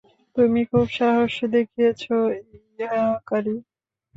তুমি খুব সাহস দেখিয়েছ, ইয়াকারি।